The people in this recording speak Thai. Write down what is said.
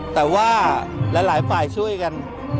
แต่ว่าหลายฝ่ายช่วยกัน